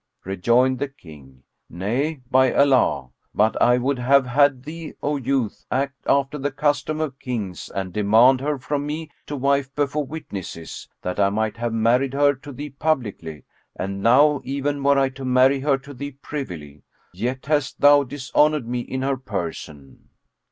Rejoined the King, "Nay, by Allah! but I would have had thee, O youth, act after the custom of Kings and demand her from me to wife before witnesses, that I might have married her to thee publicly; and now, even were I to marry her to thee privily, yet hast thou dishonoured me in her person."